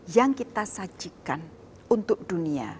yang kita sajikan untuk dunia